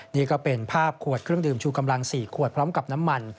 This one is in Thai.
นี่ก็เป็นภาพขวดเครื่องดื่มชูกำลัง๔ขวดพร้อมกับน้ำมัน